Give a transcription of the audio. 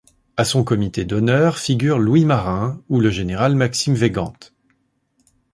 À son comité d'honneur figurent Louis Marin ou le général Maxime Weygand.